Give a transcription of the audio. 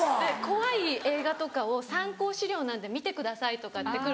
怖い映画とかを「参考資料なんで見てください」とかって来ると。